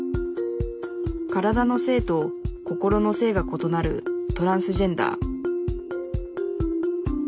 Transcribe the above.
体の性と心の性がことなるトランスジェンダー。